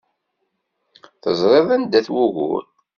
Teẓriḍ anda-t wugur.